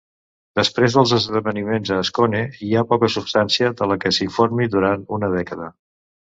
Després dels esdeveniments a Scone, hi ha poca substància de la que s'informi durant una dècada.